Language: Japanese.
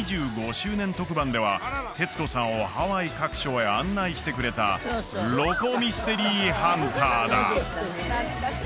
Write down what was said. ２５周年特番では徹子さんをハワイ各所へ案内してくれたロコ・ミステリーハンターだ